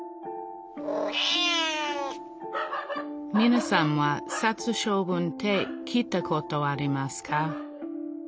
みなさんは殺処分って聞いたことありますか？